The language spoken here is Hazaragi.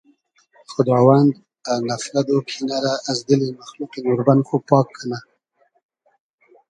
خوداوند نفرت و کینۂ رۂ از دیلی مئخلوقی نوربئن خو پاگ کئنۂ